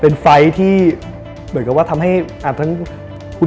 ผมว่าน่าสนใจมากเลยครับเพราะว่าต้องยอมรับว่านี่เป็น